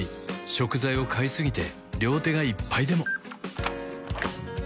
食材を買いすぎて両手がいっぱいでも